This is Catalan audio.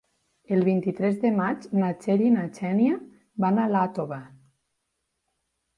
El vint-i-tres de maig na Txell i na Xènia van a Iàtova.